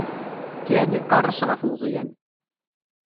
Ken iqerres ɣef Meẓyan.